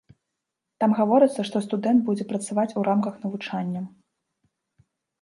Там гаворыцца, што студэнт будзе працаваць у рамках навучання.